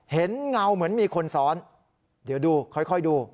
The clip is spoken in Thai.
เงาเหมือนมีคนซ้อนเดี๋ยวดูค่อยดู